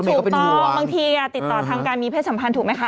บางทีติดต่อทางการมีเพศสัมพันธ์ถูกไหมคะ